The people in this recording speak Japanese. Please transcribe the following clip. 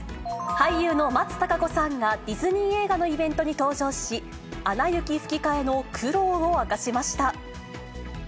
俳優の松たか子さんがディズニー映画のイベントに登場し、アナ雪吹き替えの苦労を明かしました。